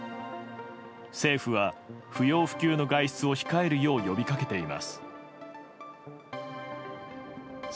政府は不要不急の外出を控えるよう呼びかけています。